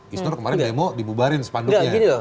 gisner kemarin demo dibubarkan sepanduknya